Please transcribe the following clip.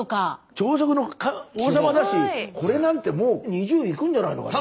朝食の王様だしこれなんてもう２０いくんじゃないのかな。